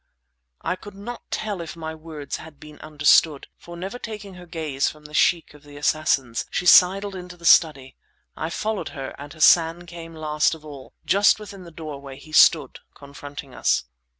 I could not tell if my words had been understood, for, never taking her gaze from the Sheikh of the Assassins, she sidled into the study. I followed her; and Hassan came last of all. Just within the doorway he stood, confronting us.